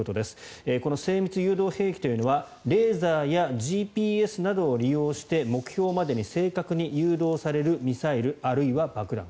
この精密誘導兵器というのはレーザーやＧＰＳなどを利用して目標までに正確に誘導されるミサイルあるいは爆弾